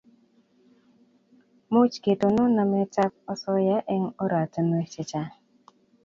Much ketonon namet ab asoya eng' oratinwek checgang'